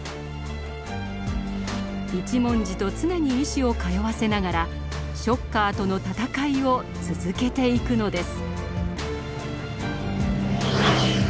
一文字と常に意思を通わせながらショッカーとの戦いを続けていくのです。